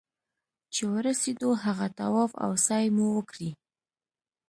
چې ورسېدو هغه طواف او سعيې مو وکړې.